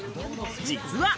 実は。